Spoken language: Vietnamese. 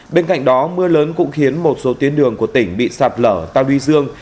bên cạnh đó mưa lớn cũng khiến một số tuyến đường của tỉnh bị sạt lở ta luy dương